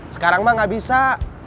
sekarang mah gak bisa